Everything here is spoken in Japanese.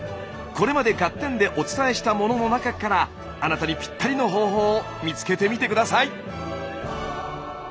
これまで「ガッテン！」でお伝えしたものの中からあなたにぴったりの方法を見つけてみて下さい！